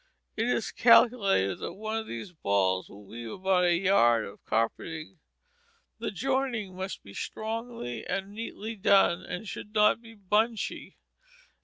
It is calculated that one of these balls will weave about a yard of carpeting. The joining must be strongly and neatly done and should not be bunchy.